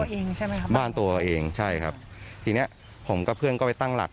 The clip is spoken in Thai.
เองใช่ไหมครับบ้านตัวเองใช่ครับทีเนี้ยผมกับเพื่อนก็ไปตั้งหลัก